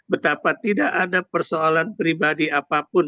betapa tidak ada persoalan pribadi apapun